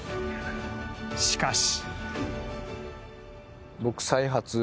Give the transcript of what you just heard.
しかし。